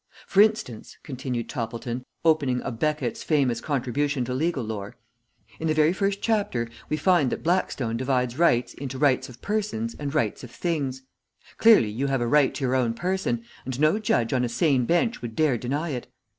"For instance," continued Toppleton, opening A'Beckett's famous contribution to legal lore, "in the very first chapter we find that Blackstone divides rights into rights of persons and rights of things. Clearly you have a right to your own person, and no judge on a sane bench would dare deny it.